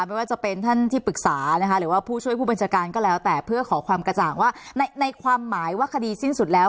ไม่ว่าจะเป็นท่านที่ปรึกษานะคะหรือว่าผู้ช่วยผู้บัญชาการก็แล้วแต่เพื่อขอความกระจ่างว่าในความหมายว่าคดีสิ้นสุดแล้ว